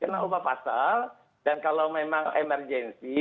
kena ubah pasal dan kalau memang emergensi